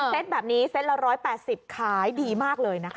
เต็ตแบบนี้เซตละ๑๘๐ขายดีมากเลยนะคะ